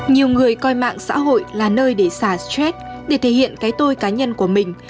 nhiều người coi mạng xã hội là nơi để giả stress để thể hiện cái tôi cá nhân của mình